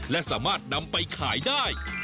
และสามารถนำไปขายได้